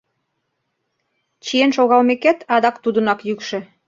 Чиен шогалмекет, адак тудынак йӱкшӧ: